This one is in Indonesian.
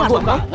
lo gak suka